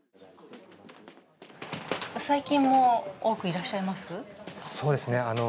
最近も多くいらっしゃいます？